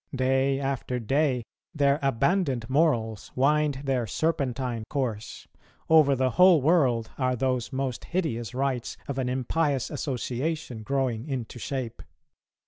... Day after day, their abandoned morals wind their serpentine course; over the whole world are those most hideous rites of an impious association growing into shape